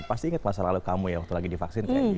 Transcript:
pasti ingat masa lalu kamu ya waktu lagi divaksin